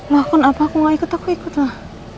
lah kenapa aku gak ikut aku ikut lah